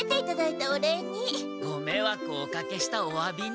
ごめいわくをおかけしたおわびに。